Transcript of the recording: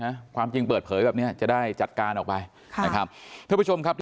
ความจริงเปิดเผยแบบเนี้ยจะได้จัดการออกไปค่ะนะครับท่านผู้ชมครับ